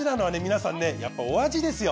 皆さんねやっぱお味ですよ。